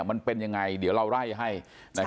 มันเป็นยังไงเดี๋ยวเราไล่ให้